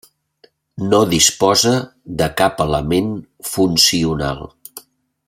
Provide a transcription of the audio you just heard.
No disposa de cap element funcional.